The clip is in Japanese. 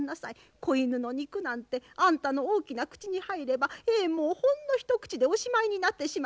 子犬の肉なんてあんたの大きな口に入ればえもうほんの一口でおしまいになってしまいます。